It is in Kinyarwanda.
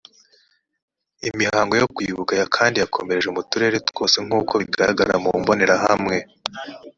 imihango yo kwibuka kandi yakomereje mu turere twose nk uko bigaragara mu mbonerahamwe